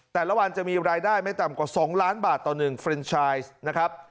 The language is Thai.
แต่ละวันจะมีรายได้ไม่ต่ำกว่า๒ล้านบาทต่อ๑เฟรนชายนะครับ